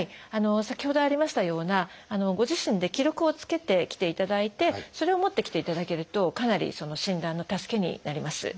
先ほどありましたようなご自身で記録をつけてきていただいてそれを持ってきていただけるとかなりその診断の助けになります。